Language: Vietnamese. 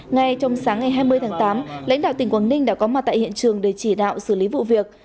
ngay trong sáng ngày hai mươi tháng tám lãnh đạo tỉnh quảng ninh đã có mặt tại hiện trường để chỉ đạo xử lý vụ việc